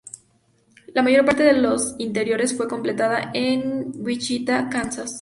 La mayor parte de los interiores fue completada en Wichita, Kansas.